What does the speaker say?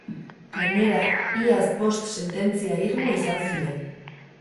Gainera, iaz bost sententzia irmo izan ziren.